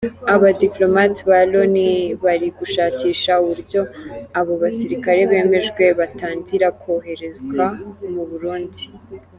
Abadipolomate ba Loni bari gushakisha uburyo abo basirikare bemejewe batangira koherezwa mu Burundi.